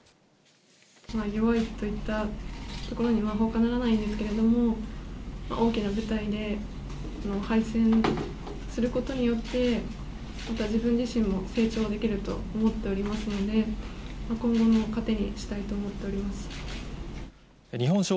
弱いといったところにほかならないんですけれども、大きな舞台で敗戦することによって、自分自身も成長できると思っておりますので、今後の糧にしたいと思っております。